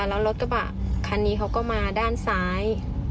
แล้วรถกระบะคันนี้เขาก็มาด้านซ้าย